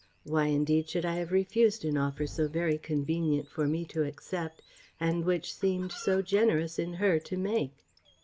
Why, indeed, should I have refused an offer so very convenient for me to accept, and which seemed so generous in her to make?